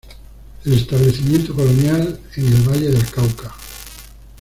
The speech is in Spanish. El Establecimiento Colonial en el Valle del Cauca.